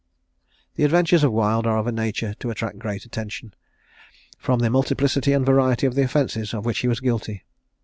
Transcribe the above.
The adventures of Wild are of a nature to attract great attention, from the multiplicity and variety of the offences of which he was guilty.